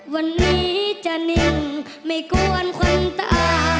วันนี้จะนิ่งไม่กวนคนตา